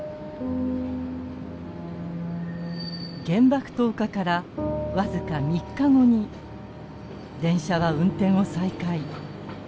原爆投下から僅か３日後に電車は運転を再開。